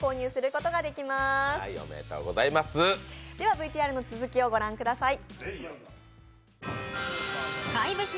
ＶＴＲの続きをご覧ください。